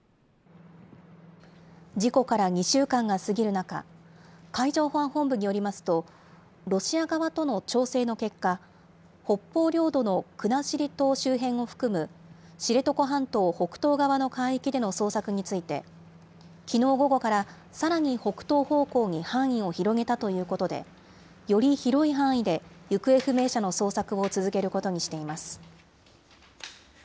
事故から２週間が過ぎる中、海上保安本部によりますと、ロシア側との調整の結果、北方領土の国後島周辺を含む、知床半島北東側の海域での捜索について、きのう午後から、さらに北東方向に範囲を広げたということで、より広い範囲で行方不明者の捜索を続けることにしています。